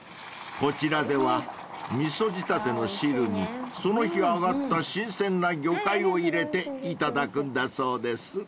［こちらでは味噌仕立ての汁にその日揚がった新鮮な魚介を入れて頂くんだそうです］